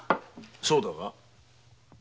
そうだが？